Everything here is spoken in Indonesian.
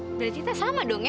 hah berarti kita sama dong ya